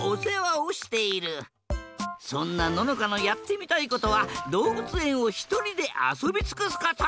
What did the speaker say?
そんなののかのやってみたいことはどうぶつえんをひとりであそびつくすこと！